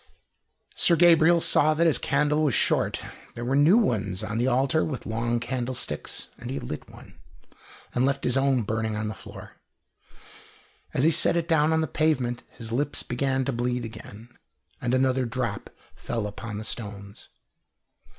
Sir Gabriel saw that his candle was short. There were new ones on the altar, with long candlesticks, and he lit one, and left his own burning on the floor. As he set it down on the pavement his lip began to bleed again, and another drop fell upon the stones.